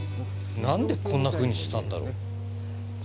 何でこんなふうにしたんだろう。